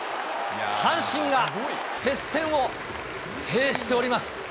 阪神が接戦を制しております。